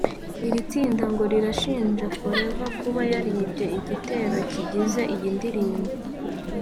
Iri tsinda ngo rirashinja Flavour kuba yaribye igitero kigize iyi ndirimbo